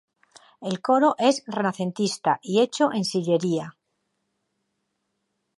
El coro es renacentista y hecho en sillería.